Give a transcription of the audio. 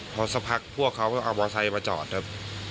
พอสักพักพวกเขาก็เอามอไซค์มาจอดครับ